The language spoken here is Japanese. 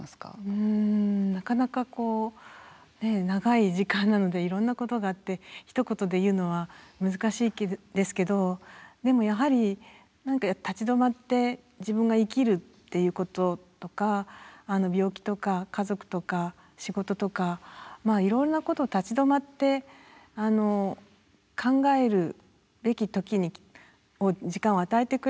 うんなかなかこうねえ長い時間なのでいろんなことがあってひと言で言うのは難しいですけどでもやはり何か立ち止まって自分が生きるっていうこととか病気とか家族とか仕事とかまあいろんなことを立ち止まって考えるべき時時間を与えてくれた時間でもあったかなと思いますね。